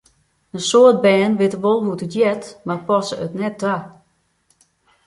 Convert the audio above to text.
In soad bern witte wol hoe't it heart, mar passe it net ta.